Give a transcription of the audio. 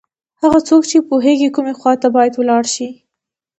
هغه څوک چې پوهېږي کومې خواته باید ولاړ شي.